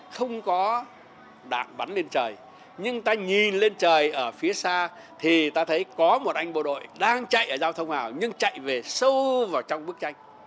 không có đạn bắn lên trời nhưng ta nhìn lên trời ở phía xa thì ta thấy có một anh bộ đội đang chạy ở giao thông nào nhưng chạy về sâu vào trong bức tranh